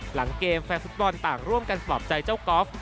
หลังเกมแฟนฟุตบอลต่างร่วมกันปลอบใจเจ้ากอล์ฟ